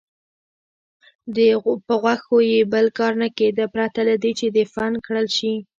په غوښو یې بل کار نه کېده پرته له دې چې دفن کړل شي.